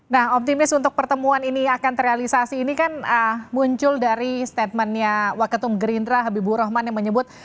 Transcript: nah optimis untuk pertemuan ini akan terrealisasi ini kan muncul dari statementnya waketum gerindra habibur rahman yang menyebut